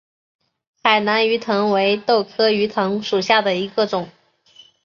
海南鱼藤为豆科鱼藤属下的一个种。